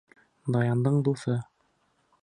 Даяндың дуҫы.